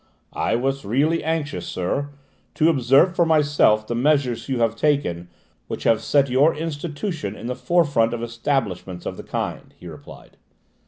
"I was really anxious, sir, to observe for myself the measures you have taken which have set your institution in the forefront of establishments of the kind," he replied.